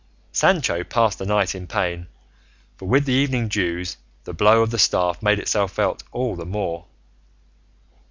Sancho passed the night in pain, for with the evening dews the blow of the staff made itself felt all the more.